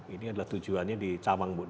ini adalah tujuannya di cawang bu